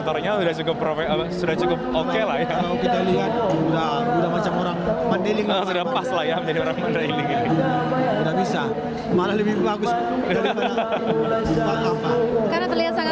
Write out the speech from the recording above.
terhadap sebuah kemampuan yang berharga dan berharga yang berharga